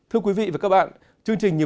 thưa quý vị và các bạn